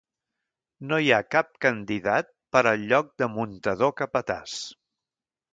No hi ha cap candidat per al lloc de muntador-capatàs.